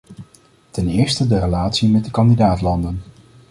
Ten eerste de relatie met de kandidaat-landen.